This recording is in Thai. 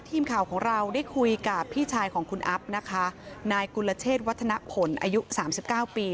ทีมข่าวของเราได้คุยกับพี่ชายของคุณอัพนะคะนายกุลเชษวัฒนผลอายุสามสิบเก้าปี